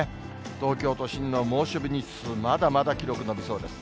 東京都心の猛暑日日数、まだまだ記録伸びそうです。